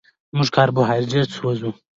موږ کاربوهایډریټ سوځوو